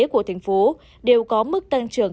của tp hcm đều có mức tăng trưởng